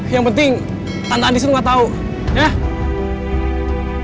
yang penting tante andis lo gak tau ya